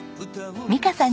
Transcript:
美香さん